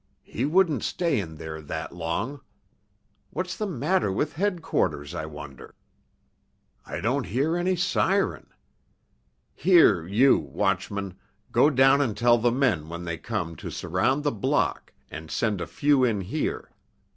"He wouldn't stay in there that long. What's the matter with headquarters, I wonder? I don't hear any siren. Here, you, watchman, go down and tell the men, when they come, to surround the block, and send a few in here.